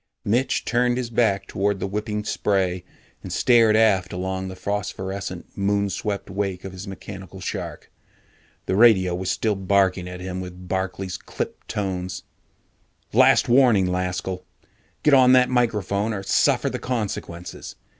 Mitch turned his back toward the whipping spray and stared aft along the phosphorescent, moon swept wake of his mechanical shark. The radio was still barking at him with Barkley's clipped tones. "Last warning, Laskell! Get on that microphone or suffer the consequences!